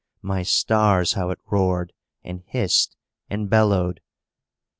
My stars, how it roared, and hissed, and bellowed!